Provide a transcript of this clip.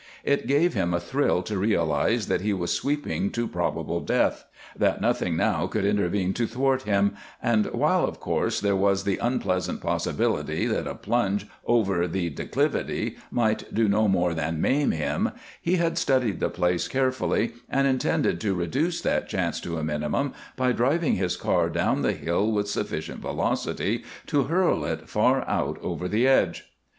It gave him a thrill to realize that he was sweeping to probable death; that nothing now could intervene to thwart him, and while, of course, there was the unpleasant possibility that a plunge over the declivity might do no more than maim him, he had studied the place carefully and intended to reduce that chance to a minimum by driving his car down the hill with sufficient velocity to hurl it far out over the edge.